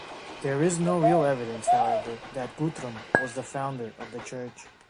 There is no real evidence, however, that Guthrum was the founder of the church.